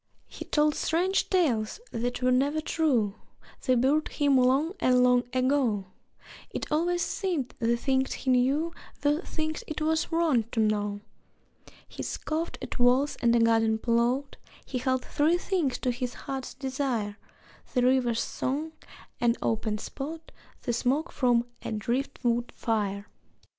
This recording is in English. He told strange tales that were never true (They buried him long and long ago!) It always seemed the things he knew Were things it was wrong to know. He scoffed at walls and a garden plot; He held three things to his heart's desire: The river's song, an open spot, The smoke from a driftwood fire.